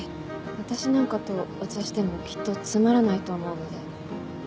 私なんかとお茶してもきっとつまらないと思うので。